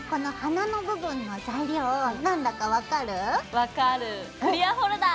分かるクリアホルダー！